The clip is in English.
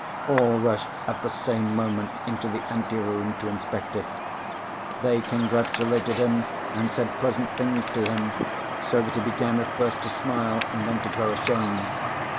All rushed at the same moment into the ante room to inspect it. They congratulated him and said pleasant things to him, so that he began at first to smile and then to grow ashamed.